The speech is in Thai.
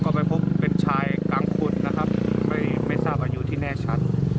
ก็ไปพบเป็นชายกลางคนนะครับไม่ทราบอายุที่แน่ชัด